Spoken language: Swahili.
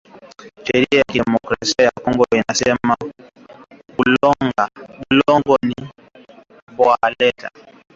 Sheria ya ki democracia ya kongo inasema bulongo ni bwa leta